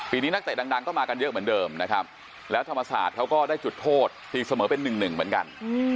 นี้นักเตะดังก็มากันเยอะเหมือนเดิมนะครับแล้วธรรมศาสตร์เขาก็ได้จุดโทษตีเสมอเป็น๑๑เหมือนกัน